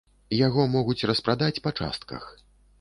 Яго могуць распрадаць па частках.